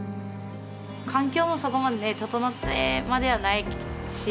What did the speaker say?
環境もそこまでね整ってまではないし。